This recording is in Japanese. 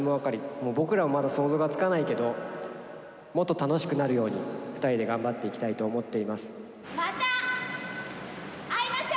もう僕らもまだ想像がつかないけど、もっと楽しくなるように、２人で頑張っていきたいと思ってまた会いましょう。